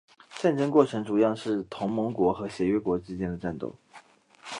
战争过程主要是同盟国和协约国之间的战斗。